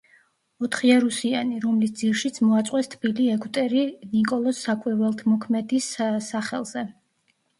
ოთხიარუსიანი, რომლის ძირშიც მოაწყვეს თბილი ეგვტერი ნიკოლოზ საკვირველთმოქმედის სახელზე.